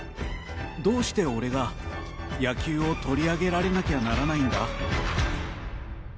どうして俺が野球を取り上げられなきゃならないんだ。